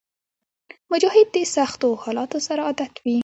مجاهد د سختو حالاتو سره عادت وي.